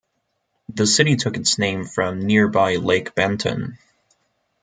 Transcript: The city took its name from nearby Lake Benton.